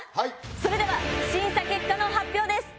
それでは審査結果の発表です。